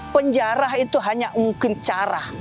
penjara itu hanya mungkin cara